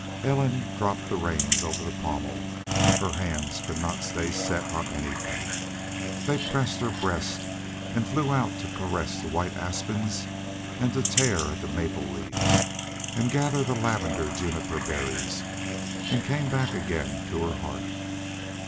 Ellen dropped the reins over the pommel. Her hands could not stay set on anything. They pressed her breast and flew out to caress the white aspens and to tear at the maple leaves, and gather the lavender juniper berries, and came back again to her heart.